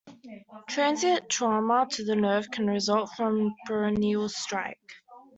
Transient trauma to the nerve can result from peroneal strike.